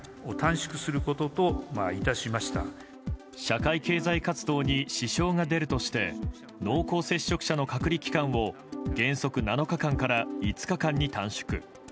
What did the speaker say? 社会経済活動に支障が出るとして濃厚接触者の隔離期間を原則７日間から５日間に短縮。